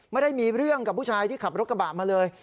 ไม่ได้มีเรื่องกับผู้ชายที่ขับรถกระบะมาเลย